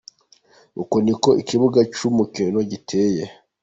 Uku niko ikibuga cy'uyu mukino giteye.